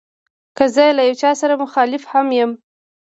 که زه له یو چا سره مخالف هم یم.